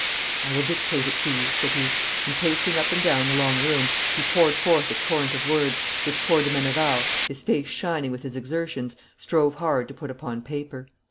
'I will dictate it to you,' said he; and, pacing up and down the long room, he poured forth a torrent of words, which poor de Meneval, his face shining with his exertions, strove hard to put upon paper.